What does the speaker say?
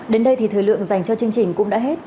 đến đây thì thời lượng dành cho chương trình cũng đã hết